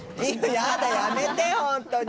やだ、やめて、本当に。